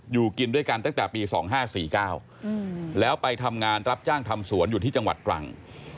อยู่กินด้วยกันตั้งแต่ปี๒๕๔๙แล้วไปทำงานรับจ้างทำสวนอยู่ที่จังหวัดตรัง